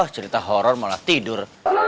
cerita horor malah tidur